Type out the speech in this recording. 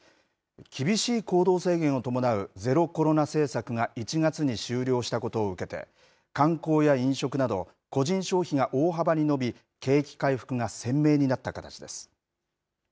厳しい行動制限を伴うゼロコロナ政策が１月に終了したことを受けて、観光や飲食など、個人消費が大幅に伸び、景気回復が鮮明になった形です。